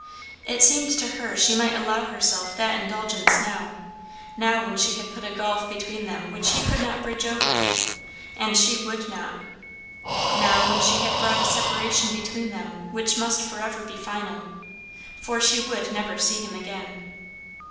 It seemed to her she might allow herself that indulgence now; now when she had put a gulf between them which he could not bridge over, and she would not; now when she had brought a separation between them which must forever be final. For she would never see him again.